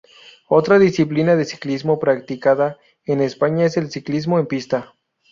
Otra disciplina de ciclismo practicada en España es el ciclismo en pista.